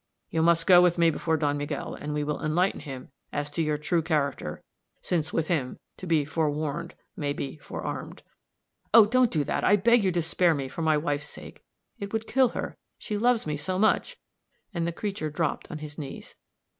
You must go with me before Don Miguel, and we will enlighten him as to your true character, since with him to be 'forewarned may be fore armed.'" "Oh, don't do that! I beg you to spare me for my wife's sake it would kill her, she loves me so much!" and the creature dropped on his knees.